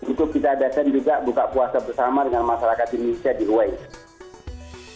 untuk kita datang juga buka puasa bersama dengan masyarakat indonesia di ruwayat